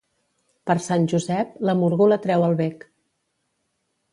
Per Sant Josep, la múrgola treu el bec.